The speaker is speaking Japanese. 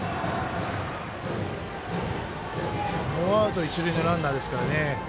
ノーアウト一塁のランナーですからね。